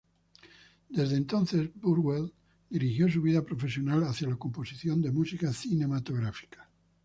Desde entonces Burwell dirigió su vida profesional hacia la composición de música cinematográfica.